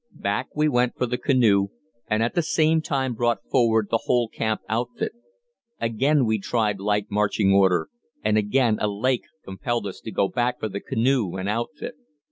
Back we went for the canoe, and at the same time brought forward the whole camp outfit. Again we tried light marching order, and again a lake compelled us to go back for the canoe and outfit.